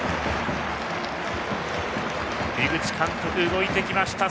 井口監督、動いてきました。